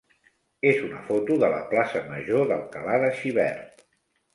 és una foto de la plaça major d'Alcalà de Xivert.